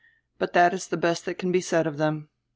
But diat is die best diat can be said of diem.